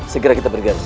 segera kita bergaris